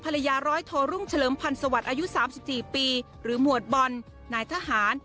ภรรยาร้อยโทรุงเฉลิมพันธุ์สวัสดิ์อายุสามสิบสี่ปีหรือหมวดบ่นนายทหาร